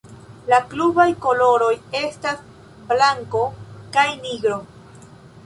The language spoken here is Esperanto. La klubaj koloroj estas blanko kaj nigro.